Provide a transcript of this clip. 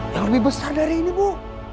yang lebih besar dari ini bu